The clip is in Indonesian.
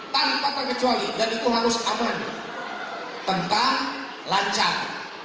tanpa terkecuali dan itu harus aman tentang lancar